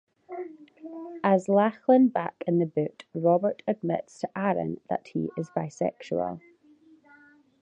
As Lachlan back in the boot, Robert admits to Aaron that he is bisexual.